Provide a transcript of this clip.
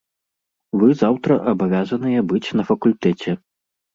Вы заўтра абавязаныя быць на факультэце.